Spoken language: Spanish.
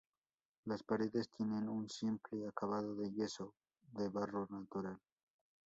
Las paredes tienen un simple acabado de yeso de barro natural.